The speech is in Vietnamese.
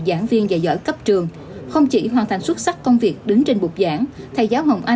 giảng viên và giỏi cấp trường không chỉ hoàn thành xuất sắc công việc đứng trên bục giảng thầy giáo